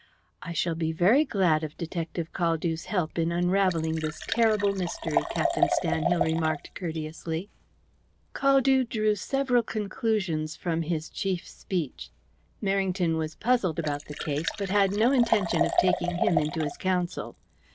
"I shall be very glad of Detective Caldew's help in unravelling this terrible mystery," Captain Stanhill remarked courteously. Caldew drew several conclusions from his chief's speech. Merrington was puzzled about the case, but had no intention of taking him into his counsel.